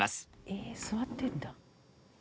え座ってんだ。